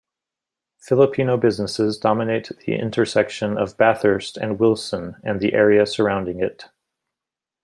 Filipino businesses dominate the intersection of Bathurst and Wilson and the area surrounding it.